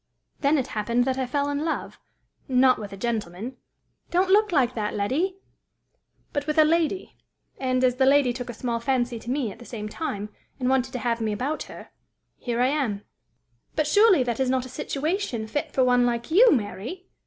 Then it happened that I fell in love not with a gentleman don't look like that, Letty but with a lady; and, as the lady took a small fancy to me at the same time, and wanted to have me about her, here I am." "But, surely, that is not a situation fit for one like you, Mary!"